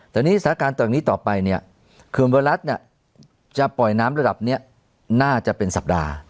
แต่สถานการณ์ต่อไปเครื่องบรรลัสจะปล่อยน้ำระดับนี้น่าจะเป็นสัปดาห์